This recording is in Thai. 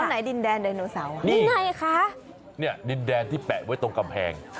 ไหนดินแดนไดโนเสาร์อ่ะยังไงคะเนี่ยดินแดนที่แปะไว้ตรงกำแพง